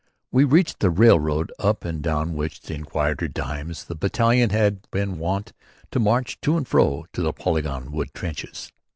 We reached the railroad up and down which in quieter times the battalion had been wont to march to and fro to the Polygon Wood trenches.